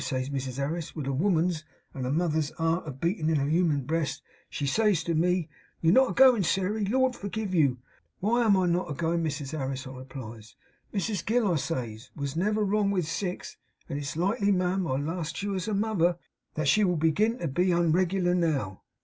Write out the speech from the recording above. Says Mrs Harris, with a woman's and a mother's art a beatin in her human breast, she says to me, "You're not a goin, Sairey, Lord forgive you!" "Why am I not a goin, Mrs Harris?" I replies. "Mrs Gill," I says, "wos never wrong with six; and is it likely, ma'am I ast you as a mother that she will begin to be unreg'lar now?